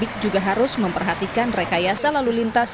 pemudik juga harus memperhatikan rekayasa lalu lintas